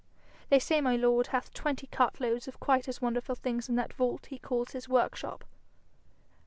They say my lord hath twenty cartloads of quite as wonderful things in that vault he calls his workshop.